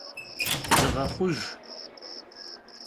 Zığexhujj!